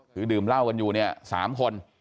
คือดื่มเหล้ากันอยู่เนี่ย๓คน